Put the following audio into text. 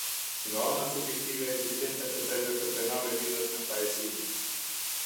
Nga ana subjektive ekzistenca e kësaj vepre penale lidhet me fajësinë.